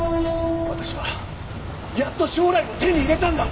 私はやっと将来を手に入れたんだ。